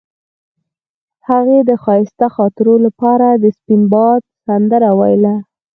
هغې د ښایسته خاطرو لپاره د سپین باد سندره ویله.